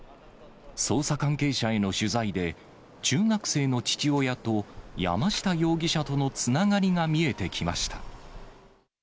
捜査関係者への取材で、中学生の父親と山下容疑者とのつながりが見えてきました。